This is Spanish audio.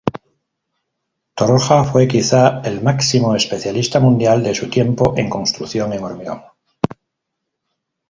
Torroja fue quizá el máximo especialista mundial de su tiempo en construcción en hormigón.